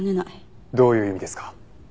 どういう意味ですか？